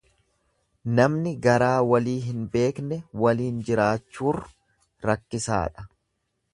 Namni garaa walii hin beekne waliin jiraachuur rakkisaadha.